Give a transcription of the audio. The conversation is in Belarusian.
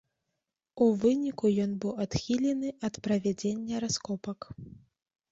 У выніку ён быў адхілены ад правядзення раскопак.